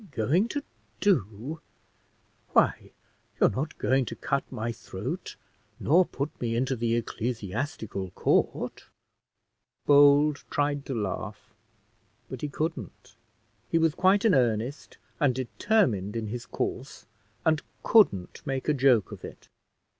Going to do! Why, you're not going to cut my throat, nor put me into the Ecclesiastical Court!" Bold tried to laugh, but he couldn't. He was quite in earnest, and determined in his course, and couldn't make a joke of it.